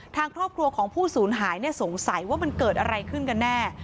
ทางครอบครัวของผู้สูญหายสงสัยว่ามันเกิดอะไรขึ้นกันแน่